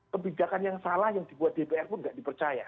kebijakan yang salah yang dibuat dpr pun tidak dipercaya